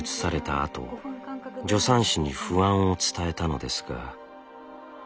あと助産師に不安を伝えたのですが。